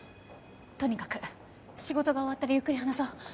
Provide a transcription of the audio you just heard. とにかく仕事が終わったらゆっくり話そう。